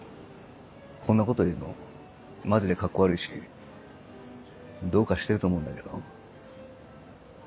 こんなこと言うのマジでカッコ悪いしどうかしてると思うんだけど。